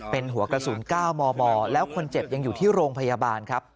เป็นหัวกระสุน๙มมแล้วคนเจ็บยังอยู่ที่โรงพยาบาลครับ